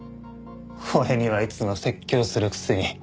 俺にはいつも説教するくせに。